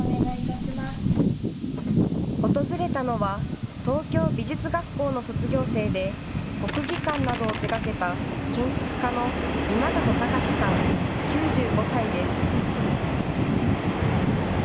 訪れたのは東京美術学校の卒業生で国技館などを手がけた建築家の今里隆さん、９５歳です。